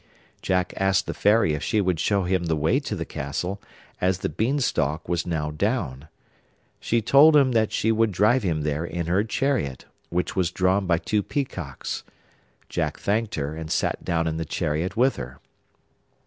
Jack asked the Fairy if she would show him the way to the castle, as the Beanstalk was now down. She told him that she would drive him there in her chariot, which was drawn by two peacocks. Jack thanked her, and sat down in the chariot with her.